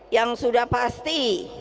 yang sudah pasti